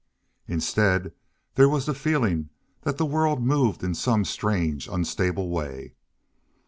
Instead there was the feeling that the world moved in some strange, unstable way.